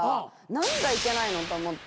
何がいけないのと思って。